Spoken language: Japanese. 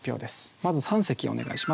まず三席お願いします。